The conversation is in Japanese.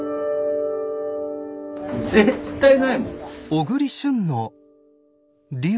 絶対ないもん。